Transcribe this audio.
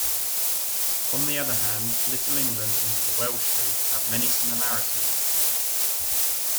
On the other hand, Little England and the Welshry have many similarities.